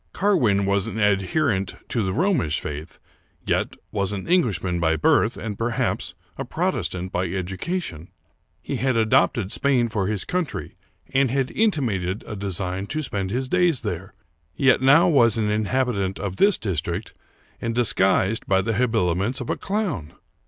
Carwin was an adherent to the Romish faith, yet was an Englishman by birth, and, perhaps, a Protestant by educa tion. He had adopted Spain for his country, and had inti mated a design to spend his days there, yet now was an inhabitant of this district, and disguised by the habiliments of a clown